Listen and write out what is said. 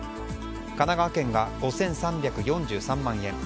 神奈川県が５３４３万円